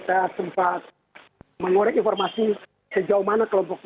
dari keterangan pak jokowi